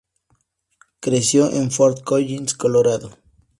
Creció en Fort Collins, Colorado.